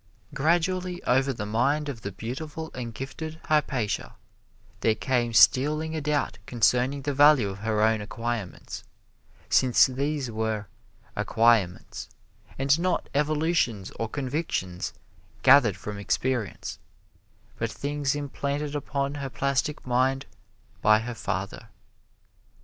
Gradually, over the mind of the beautiful and gifted Hypatia, there came stealing a doubt concerning the value of her own acquirements, since these were "acquirements," and not evolutions or convictions gathered from experience, but things implanted upon her plastic mind by her father.